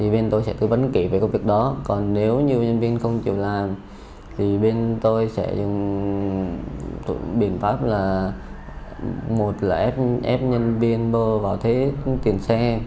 bên tôi sẽ tư vấn kỹ về công việc đó còn nếu như nhân viên không chịu làm thì bên tôi sẽ dùng biện pháp là một là ép nhân viên bơ vào thế tiền xe